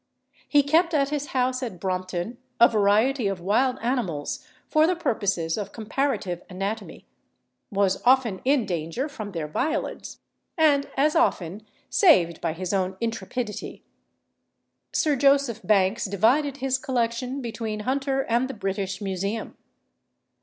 He kept at his house at Brompton a variety of wild animals for the purposes of comparative anatomy, was often in danger from their violence, and as often saved by his own intrepidity. Sir Joseph Banks divided his collection between Hunter and the British Museum.